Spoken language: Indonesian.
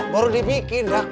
baru dibikin lah